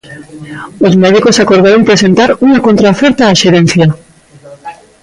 Os médicos acordaron presentar unha contraoferta á xerencia.